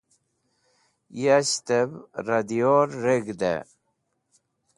Yasgtev Ra Diyor Reg̃hde